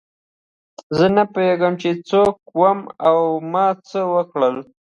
زه نه پوهېږم چې زه څوک وم او ما څه وکړل.